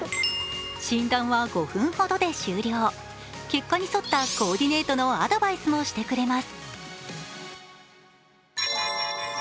診断は５分ほどで終了結果に沿ったコーディネートのアドバイスもしてくれます。